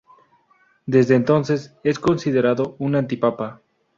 Desde entonces es considerado un antipapa.